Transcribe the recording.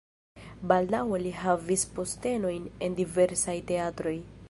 Baldaŭe li havis postenojn en diversaj teatroj.